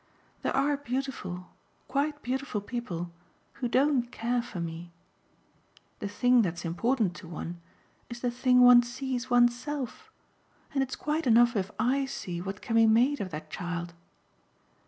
There are beautiful, quite beautiful people who don't care for me. The thing that's important to one is the thing one sees one's self, and it's quite enough if I see what can be made of that child.